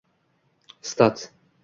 stat